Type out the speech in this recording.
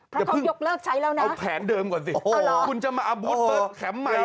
เพราะเขายกเลิกใช้แล้วนะเอาแผนเดิมก่อนสิคุณจะมาอาวุธเปิดแคมป์ใหม่